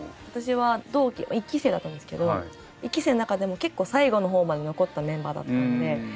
私は同期１期生だったんですけど１期生の中でも結構最後のほうまで残ったメンバーだったんで。